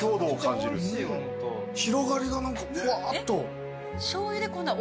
広がりが何かふわっと。